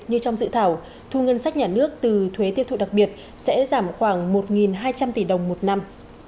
như trong dự thảo thu ngân sách nhà nước từ thuế tiêu thụ đặc biệt sẽ giảm khoảng một hai trăm linh tỷ đồng một năm